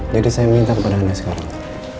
jadi saya minta kepada anda sekarang